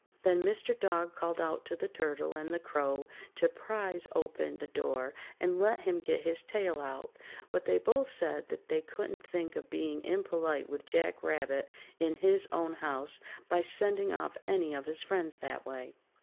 Then Mr. Dog called out to the Turtle and the Crow to "prize" open the door and let him get his tail out, but they both said that they couldn't think of being impolite with Jack Rabbit in his own house by sending off any of his friends that way.